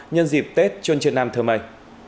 nhân dịp tết chôn truyền nam thơ mây